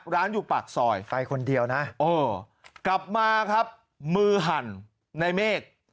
อยู่ปากซอยไปคนเดียวนะกลับมาครับมือหั่นในเมฆ